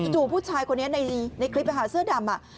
จู่ผู้ชายคนนี้ในคลิปเสื้อดำ